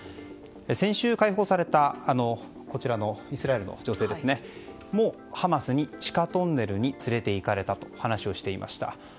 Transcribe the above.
先週解放されたこちらのイスラエルの女性もハマスに地下トンネルに連れていかれたと話していました。